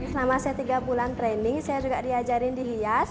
selama saya tiga bulan training saya juga diajarin dihias